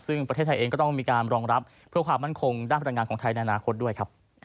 ซึ่งประเทศไทยเองก็ต้องมีการรองรับเพื่อความมั่นคงด้านพลังงานของไทยในอนาคตด้วยครับ